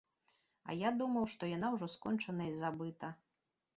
А я думаў, што яна ўжо скончана і забыта.